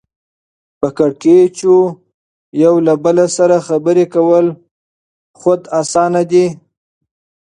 په کېړکیچو یو له بله سره خبرې کول خود اسانه دي